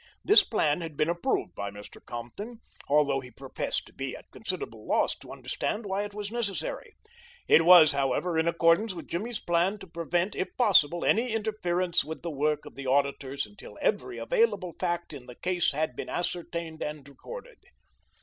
This plan had been approved by Mr. Compton, although he professed to be at considerable loss to understand why it was necessary. It was, however, in accordance with Jimmy's plan to prevent, if possible, any interference with the work of the auditors until every available fact in the case had been ascertained and recorded.